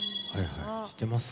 知ってます？